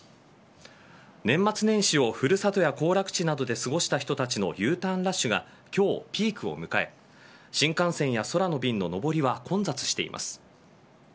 年末年始を古里や行楽地などで過ごした人たちのＵターンラッシュが今日、ピークを迎え新幹線や空の便の上りは混雑しています。